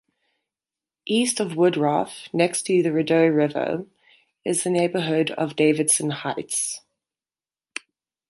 East of Woodroffe, next to the Rideau River, is the neighbourhood of Davidson Heights.